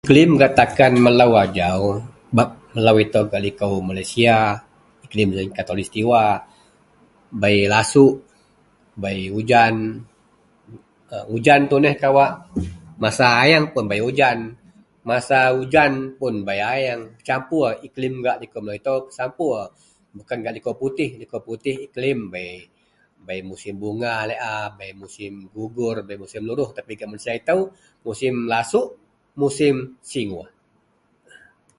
Iklim gak takan melo ajau sebab melo ito gak bei liko malaysia iklim khatullistiwa bei hujan tuneh kawa masa ayieng pun bei hujan campur, iklim gak likou bah ito bei campur bukan tan gak likou putih iklim bei musim bunga laei a,bei musim gugur musim luruh tapi gak malaysia ito musim lasu